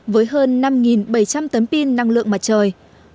với hơn năm bảy trăm linh tấm pin năng lượng mặt trời